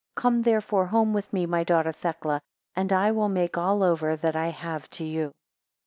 Come therefore home with me, my daughter Thecla, and I will make all over that I have to you.